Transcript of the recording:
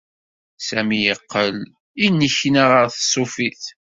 Sami yeqqel yennekna ɣer tṣufit.